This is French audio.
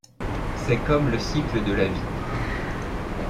C'est comme le cycle de la vie.